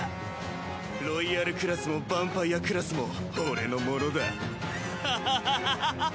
ロイヤルクラスもヴァンパイアクラスも俺のものだハハハハ。